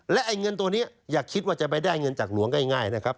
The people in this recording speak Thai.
และไอ้เงินตัวนี้อย่าคิดว่าจะไปได้เงินจากหลวงง่ายนะครับ